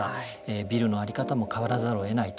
ビルの在り方も変わらざるをえないと。